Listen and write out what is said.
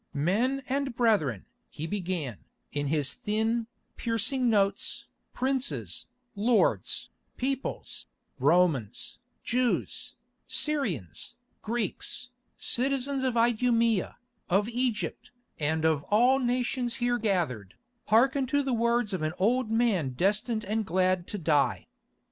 "Men and brethren," he began, in his thin, piercing notes, "princes, lords, peoples, Romans, Jews, Syrians, Greeks, citizens of Idumæa, of Egypt, and of all nations here gathered, hearken to the words of an old man destined and glad to die.